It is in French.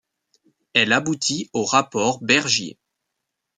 Elle aboutit au rapport Bergier.